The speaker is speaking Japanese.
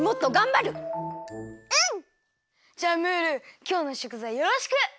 じゃあムールきょうのしょくざいよろしく！